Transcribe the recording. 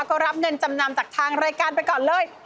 ก็รับเงินจำนำจากทางรายการไปก่อนเลย